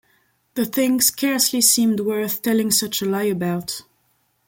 The thing scarcely seemed worth telling such a lie about.